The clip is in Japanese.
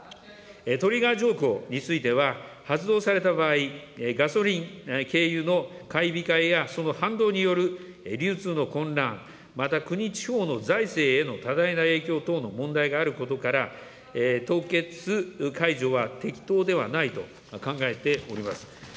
トリガー条項については、発動された場合、ガソリン、軽油の買い控えやその反動による流通の混乱、また国、地方の財政への多大な影響等の問題があることから、凍結解除は適当ではないと考えております。